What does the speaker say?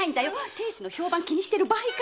亭主の評判気にしてる場合かよ。